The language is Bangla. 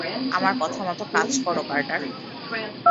আমার কথা মতো কাজ করো, কার্টার!